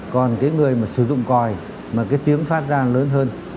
còn người sử dụng còi mà tiếng phát ra lớn hơn